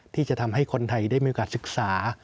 ที่จะทำให้คนไทยได้มีโอกาสศึกษา